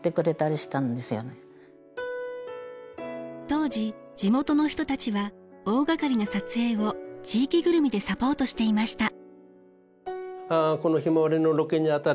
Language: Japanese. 当時地元の人たちは大がかりな撮影を地域ぐるみでサポートしていました。